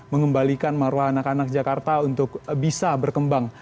mengembalikan maruah anak anak jakarta untuk bisa berkembang